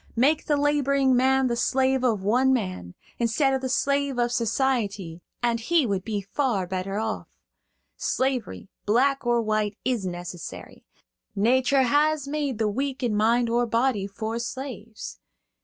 Make the laboring man the slave of one man, instead of the slave of society, and he would be far better off. Slavery, black or white, is necessary. Nature has made the weak in mind or body for slaves.